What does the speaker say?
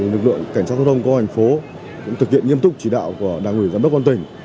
lực lượng cảnh sát giao thông công an thành phố thực hiện nghiêm túc chỉ đạo của đảng ủy giám đốc công an tỉnh